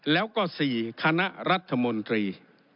แล้วก็๔คณะรัฐมนตรี